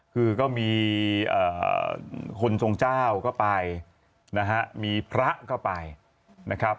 คือก็มีคนทรงเจ้าก็ไปนะฮะมีพระก็ไปนะครับ